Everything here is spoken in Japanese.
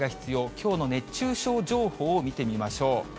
きょうの熱中症情報を見てみましょう。